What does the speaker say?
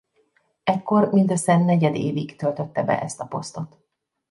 Ekkor mindössze negyedévig töltötte be ezt a posztot.